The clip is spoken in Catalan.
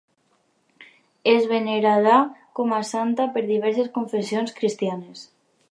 És venerada com a santa per diverses confessions cristianes.